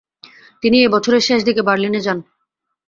তিনি এ বছরের শেষ দিকে বার্লিনে যান।